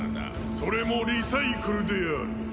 それもリサイクルである。